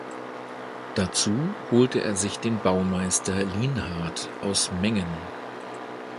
Dazu holte er sich den Baumeister Lienhart aus Mengen.